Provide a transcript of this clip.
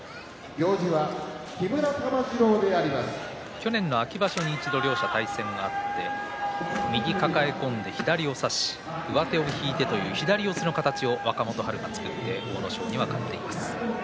去年の秋場所に両者対戦があって右、抱え込んで左を差し上手を引いてという左四つの形を若元春が作って阿武咲に勝っています。